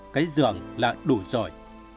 cái giường là đủ rồi